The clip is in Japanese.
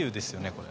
これ。